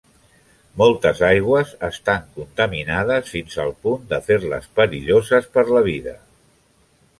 Moltes aigües estan contaminades fins al punt de fer-les perilloses per la vida.